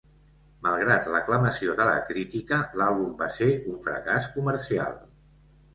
Malgrat l'aclamació de la crítica, l'àlbum va ser un fracàs comercial.